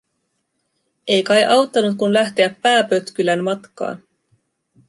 Ei kai auttanut, kun lähteä pääpötkylän matkaan.